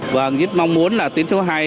và rất mong muốn là tiến số hai